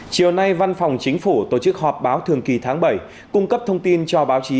chiều nay văn phòng chính phủ tổ chức họp báo thường kỳ tháng bảy cung cấp thông tin cho báo chí